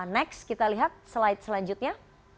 next kita lihat slide selanjutnya